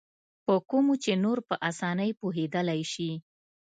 په کومو چې نور په اسانۍ پوهېدلای شي.